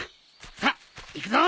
さあ行くぞ。